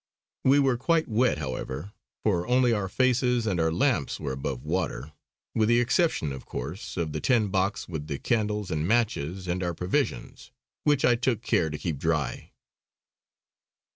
We were quite wet, however, for only our faces and our lamps were above water; with the exception, of course, of the tin box with the candles and matches and our provisions, which I took care to keep dry.